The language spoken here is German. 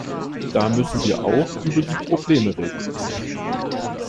Da müssen wir auch über die Probleme reden.